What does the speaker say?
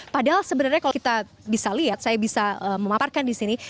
padahal sebenarnya kalau kita bisa lihat saya bisa memaparkan di sini